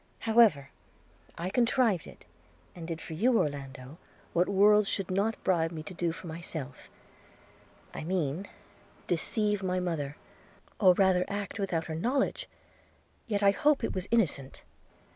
However, I contrived it, and did for you, Orlando, what worlds should not bribe me to do for myself; I mean, deceive my mother; or rather act without her knowledge; yet I hope it was innocent.'